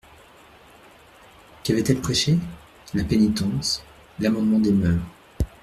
Qu'avait-elle prêché ? la pénitence, l'amendement des moeurs.